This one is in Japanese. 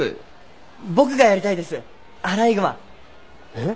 えっ？